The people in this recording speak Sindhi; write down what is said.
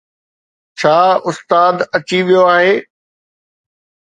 ڇا استاد اچي ويو آهي؟